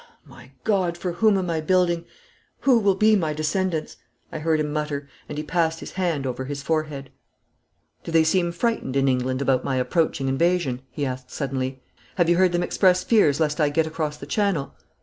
'My God! for whom am I building? Who will be my descendants?' I heard him mutter, and he passed his hand over his forehead. 'Do they seem frightened in England about my approaching invasion?' he asked suddenly. 'Have you heard them express fears lest I get across the Channel?'